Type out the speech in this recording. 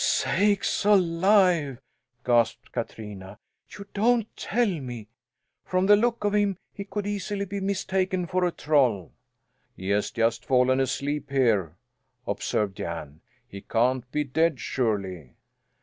"Sakes alive!" gasped Katrina. "You don't tell me! From the look of him he could easily be mistaken for a troll." "He has just fallen asleep here," observed Jan. "He can't be dead, surely!"